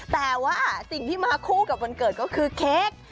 แต่ว่าสิ่งที่มาคู่กับวันเกิดก็คือเค้ก